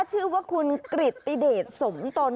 ชื่อว่าคุณกริตติเดชสมตน